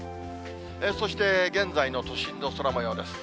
そして、現在の都心の空もようです。